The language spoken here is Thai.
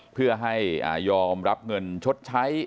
เพื่อให้ยอมรับเงินชดใช้